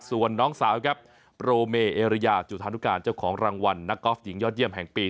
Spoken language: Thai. ส่วนน้องสาวครับโปรเมเอริยาจุธานุการเจ้าของรางวัลนักกอล์ฟหญิงยอดเยี่ยมแห่งปี